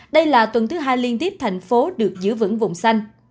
đây là tuần thứ hai liên tiếp thành phố được giữ vững vùng xanh